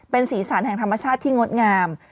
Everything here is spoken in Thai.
เป็นสีสันแห่งธรรมชาติที่งดงาม